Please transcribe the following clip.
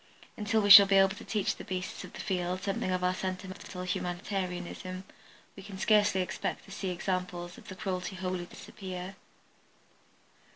Until we shall be able to teach the beasts of the field something of our sentimental humanitarianism we can scarcely expect to see examples of cruelty wholly disappear.